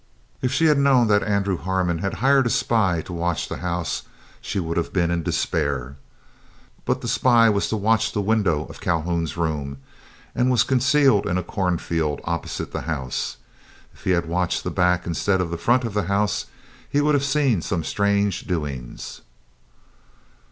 If she had known that Andrew Harmon had hired a spy to watch the house she would have been in despair. But the spy was to watch the window of Calhoun's room, and was concealed in a corn field opposite the house. If he had watched the back instead of the front of the house, he would have seen some strange doings.